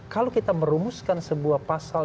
kalau kita merumuskan sebuah pasal